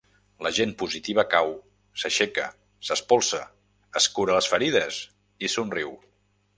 La gent positiva cau, s'aixeca, s'espolsa, es cura les ferides i somriu.